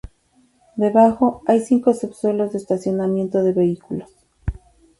Debajo, hay cinco subsuelos de estacionamiento de vehículos.